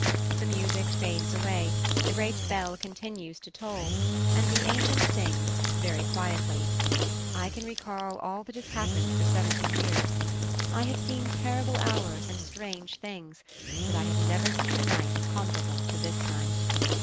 The music fades away, the great bell continues to toll, and the ancient sings, very quietly, "I can recall all that has happened for seventy years; I have seen terrible hours and strange things, but I have never seen a night comparable to this night."